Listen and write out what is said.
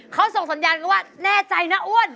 เขาส่งสัญญาณกันว่าแน่ใจนะอ้วน